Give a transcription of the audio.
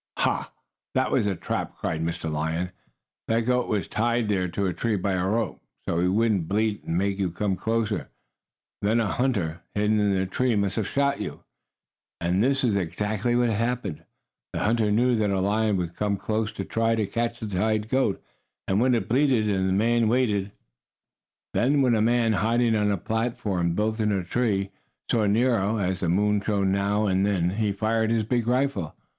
"Ha! That was a trap!" cried Mr. Lion. "That goat was tied there to a tree by a rope, so he would bleat and make you come closer. Then a hunter, hidden in a tree, must have shot you." And this is exactly what had happened. The hunter knew that a lion would come close to try to catch the tied goat, when it bleated, and the man waited. [Illustration: He licked the place where his paw hurt. Page 38] Then, when the man, hiding on a platform built in a tree, saw Nero, as the moon shone now and then, he fired his big rifle.